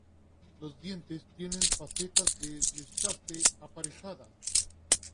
Los dientes tiene facetas de desgaste aparejadas.